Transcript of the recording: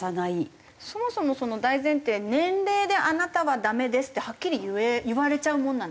そもそもその大前提に年齢であなたはダメですってはっきり言われちゃうものなんですか？